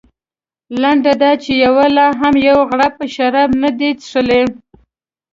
لنډه دا چې یوه لا هم یو غړپ شراب نه دي څښلي.